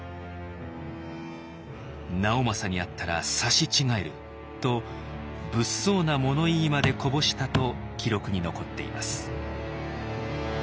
「直政に会ったら刺し違える」と物騒な物言いまでこぼしたと記録に残っています。